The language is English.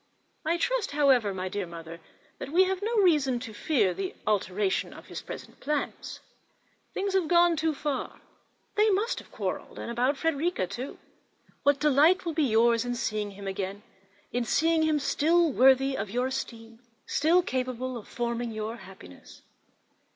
I trust, however, my dear mother, that we have no reason to fear an alteration of his present plan; things have gone too far. They must have quarrelled, and about Frederica, too. Her calmness astonishes me. What delight will be yours in seeing him again; in seeing him still worthy your esteem, still capable of forming your happiness!